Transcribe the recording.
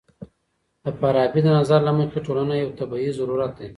د فارابي د نظر له مخې ټولنه يو طبيعي ضرورت دی.